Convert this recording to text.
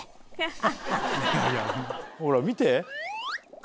ほら見て顔